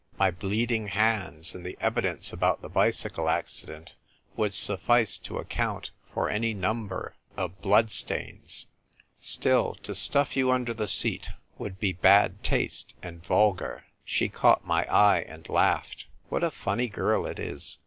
My bleeding hands, and the evidence about the bicycle accident would suffice to account for any number of I02 THE TYPE VVKITEK GIRL. blood Stains. Still, to stuff you under the seat would be bad taste and vulgar." She caught my eye, and laughed. " What a funny girl it is